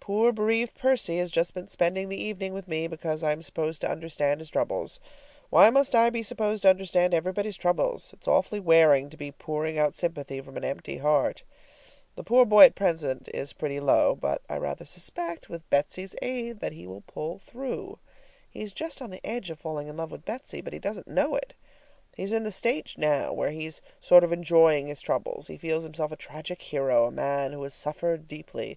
Poor bereaved Percy has just been spending the evening with me, because I am supposed to understand his troubles. Why must I be supposed to understand everybody's troubles? It's awfully wearing to be pouring out sympathy from an empty heart. The poor boy at present is pretty low, but I rather suspect with Betsy's aid that he will pull through. He is just on the edge of falling in love with Betsy, but he doesn't know it. He's in the stage now where he's sort of enjoying his troubles. He feels himself a tragic hero, a man who has suffered deeply.